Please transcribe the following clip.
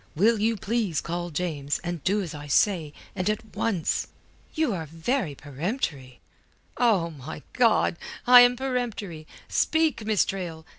Will you please call James, and do as I say and at once!" "You are very peremptory...." "Oh, my God! I am peremptory! Speak, Miss Trail!